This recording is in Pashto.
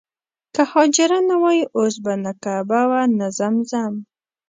که حاجره نه وای اوس به نه کعبه وه نه زمزم.